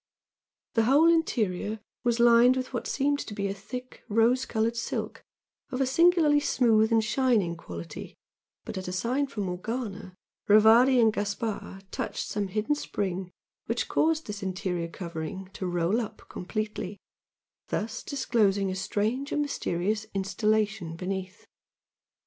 The whole interior was lined with what seemed to be a thick rose coloured silk of a singularly smooth and shining quality, but at a sign from Morgana, Rivardi and Gaspard touched some hidden spring which caused this interior covering to roll up completely, thus disclosing a strange and mysterious "installation" beneath.